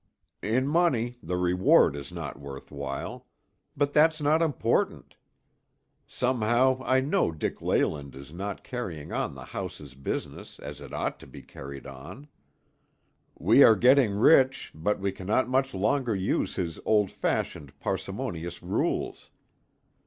"In money, the reward is not worth while; but that's not important. Somehow I know Dick Leyland is not carrying on the house's business as it ought to be carried on. We are getting rich, but we cannot much longer use his old fashioned parsimonious rules.